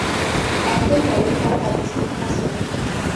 একদল বলেন, তার অবস্থান আসমানে।